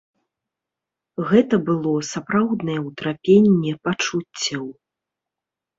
Гэта было сапраўднае ўтрапенне пачуццяў.